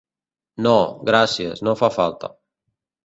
No, gràcies, no fa falta.